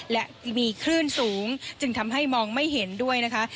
และมีคลื่นสูงจึงทำให้มองไม่เห็นด้วยนะคะ